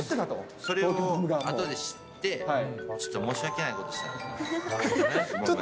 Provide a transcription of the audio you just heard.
それを後で知って、ちょっと申し訳ないことしたなと。